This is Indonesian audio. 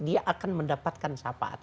dia akan mendapatkan syafaat